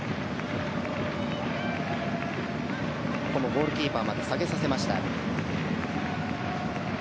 ゴールキーパーまで下げさせました。